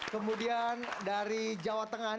kemudian dari jawa tengah